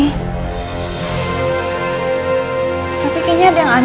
aku juga gak tau kenapa aku mau berhenti di sini